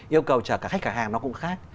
yêu cầu chở cả khách cả hàng nó cũng khác